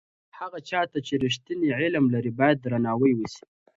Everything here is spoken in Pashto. هغه چا ته چې رښتینی علم لري باید درناوی وسي.